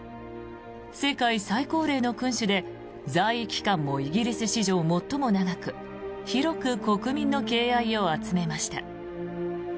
世界最高齢の君主で在位期間もイギリス史上最も長く広く国民の敬愛を集めました。